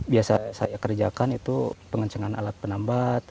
biasa saya kerjakan itu pengencengan alat penambat